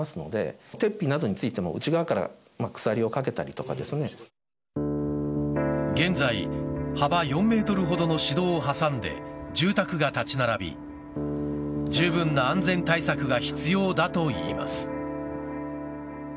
しかし。現在、幅４メートルほどの道を挟んで住宅が建ち並びじゅうぶんな安全対策が必要だといいます。